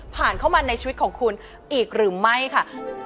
ผ่านเข้ามาในชีวิตของคุณอีกหรือไม่ค่ะ